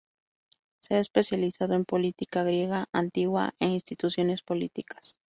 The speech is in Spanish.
Se ha especializado en política griega antigua e instituciones políticas.